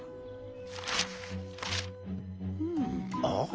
ああ。